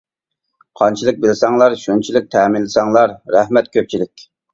قانچىلىك بىلسەڭلار شۇنچىلىك تەمىنلىسەڭلار. رەھمەت كۆپچىلىك!